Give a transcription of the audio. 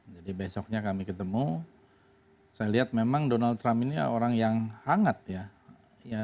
jadi besoknya kami ketemu saya lihat memang donald trump ini orang yang hangat ya